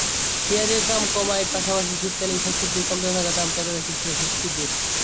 পেঁয়াজের দাম কমার পাশাপাশি শীতকালীন শাকসবজির কমতে থাকা দাম ক্রেতাদের কিছুটা স্বস্তি দিচ্ছে।